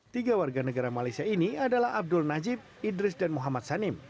tiga warga negara malaysia ini adalah abdul najib idris dan muhammad sanim